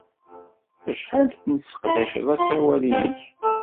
Acḥal n tesseqdaced asawal-nnek?